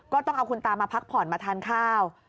ก็ต้องเอาคุณตามาพักผ่อนมาทานข้าว